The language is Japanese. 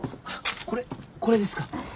これこれですか？